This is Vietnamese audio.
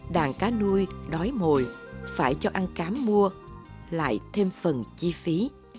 đàn cá nuôi đói mồi phải cho ăn cám mua lại thêm phần chi phí